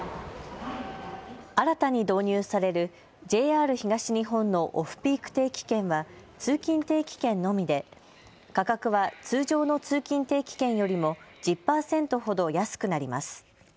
新たに導入されるＪＲ東日本のオフピーク定期券は通勤定期券のみで価格は通常の通勤定期券よりも１０％ほど安くなります。